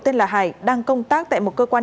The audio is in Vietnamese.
tên là hải đang công tác tại một cơ quan